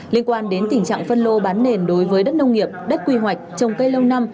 liên quan đến tình trạng phân lô bán nền đối với đất nông nghiệp đất quy hoạch trồng cây lâu năm